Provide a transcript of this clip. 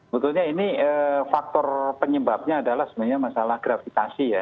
betulnya ini faktor penyebabnya adalah sebenarnya masalah gravitasi ya